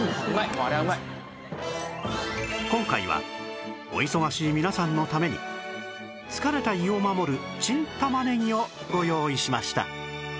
今回はお忙しい皆さんのために疲れた胃を守るチン玉ねぎをご用意しました